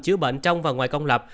chữa bệnh trong và ngoài công lập